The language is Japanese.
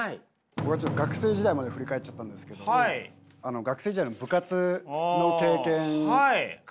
僕はちょっと学生時代まで振り返っちゃったんですけど学生時代の部活の経験かなと。